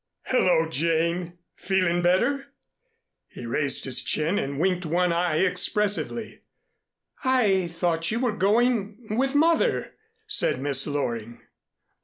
"Hello, Jane! Feeling better?" He raised his chin and winked one eye expressively. "I thought you were going with Mother," said Miss Loring.